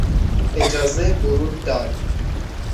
اجازه ورود داد